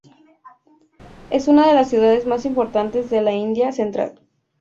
Es una de las ciudades más importantes de la India Central.